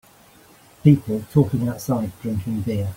People talking outside drinking beer.